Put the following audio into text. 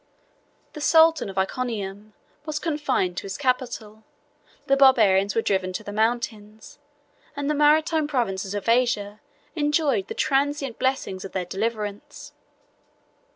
The sultan of Iconium was confined to his capital, the Barbarians were driven to the mountains, and the maritime provinces of Asia enjoyed the transient blessings of their deliverance.